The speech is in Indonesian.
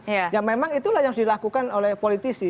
ya memang itulah yang harus dilakukan oleh politisi